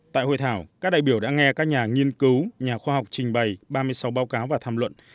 tại hội thảo các đại biểu đã nghe các nhà nghiên cứu nhà khoa học trình bày ba mươi sáu báo cáo và tham luận